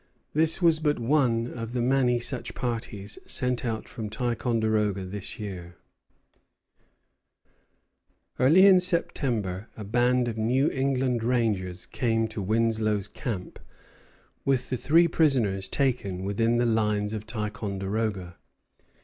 This was but one of the many such parties sent out from Ticonderoga this year. Bougainville, Journal. Early in September a band of New England rangers came to Winslow's camp, with three prisoners taken within the lines of Ticonderoga.